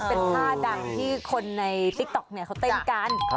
เป็นภาพดังที่คนในติ๊กต๊อกเขาเต้นกัน